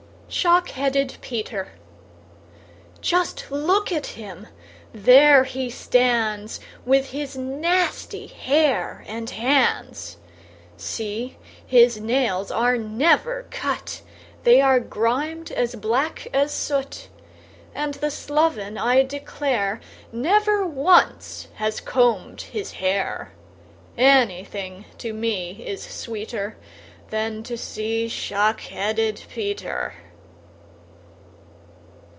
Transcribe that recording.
Shock headed Peter Just look at him! there he stands, With his nasty hair and hands. See! his nails are never cut; They are grimed as black as soot; And the sloven, I declare, Never once has combed his hair; Anything to me is sweeter Than to see Shock headed Peter.